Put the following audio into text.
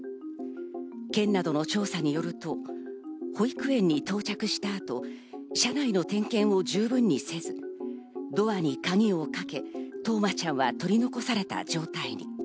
県などの調査によると、保育園に到着した後、車内の点検を十分にせず、ドアに鍵をかけ、冬生ちゃんは取り残された状態に。